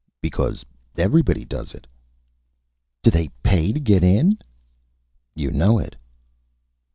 "Because Everybody does it." "Do they Pay to get in?" "You know it."